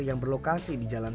yang menang juga